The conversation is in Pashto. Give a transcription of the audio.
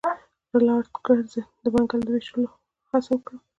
لارډ کرزن د بنګال د ویشلو هڅه وکړه.